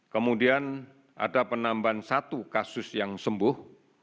kemudian ada penambahan satu kasus yang sembuh